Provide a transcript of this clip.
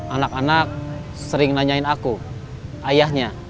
anak anak sering nanyain aku ayahnya